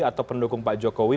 atau pendukung pak jokowi